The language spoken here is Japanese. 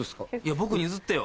僕に譲ってよ。